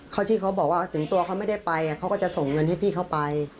เขาที่เขาบอกว่าถึงตัวเขาไม่ได้ไปเขาก็จะส่งเงินให้พี่เขาไป